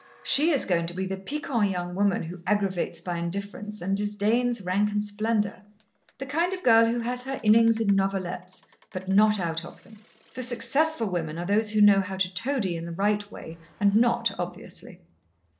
She is going to be the piquant young woman who aggravates by indifference, and disdains rank and splendour; the kind of girl who has her innings in novelettes but not out of them. The successful women are those who know how to toady in the right way and not obviously.